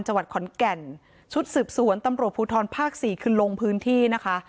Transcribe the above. จังหวัดขอนแก่นชุดสืบสวนตำรวจภูทรภาคสี่คือลงพื้นที่นะคะ